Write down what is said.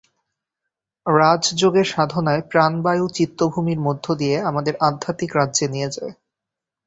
রাজযোগের সাধনায় প্রাণবায়ু চিত্তভূমির মধ্য দিয়ে আমাদের আধ্যাত্মিক রাজ্যে নিয়ে যায়।